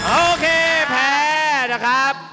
โอเคแพ้นะครับ